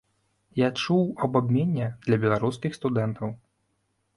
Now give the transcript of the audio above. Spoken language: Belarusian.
Я чуў аб абмене для беларускіх студэнтаў.